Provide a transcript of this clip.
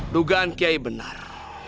dugaan kiai benar